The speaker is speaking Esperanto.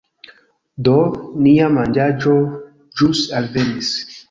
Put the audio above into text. Do, nia manĝaĵo ĵus alvenis